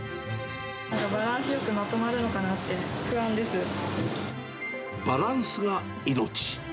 バランスよくまとまるかなっバランスが命。